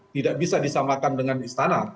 tidak bisa disamakan dengan istana